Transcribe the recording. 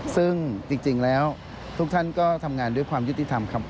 ซึ่งจริงแล้วทุกท่านก็ทำงานด้วยความยุติธรรมครับ